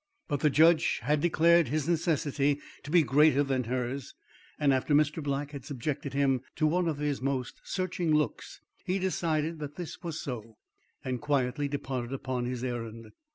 But the judge had declared his necessity to be greater than hers, and after Mr. Black had subjected him to one of his most searching looks he decided that this was so, and quietly departed upon his errand.